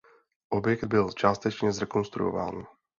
Objekt byl částečně zrekonstruován.